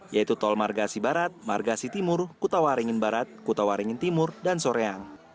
yaitu tol margasi barat margasi timur kutawaringin barat kutawaringin timur dan soreang